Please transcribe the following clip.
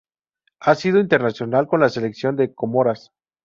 Ha sido internacional con la selección de Comoras.